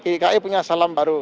dki punya salam baru